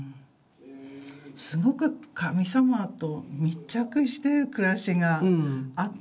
すごく神様と密着してる暮らしがあったんですよね。